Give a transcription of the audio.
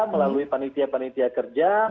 melalui panitia panitia kerja